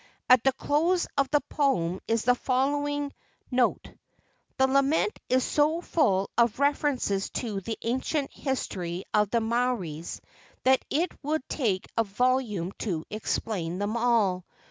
At the close of the poem is the following note: "The lament is so full of references to the ancient history of the Maoris that it would take a volume to explain them all.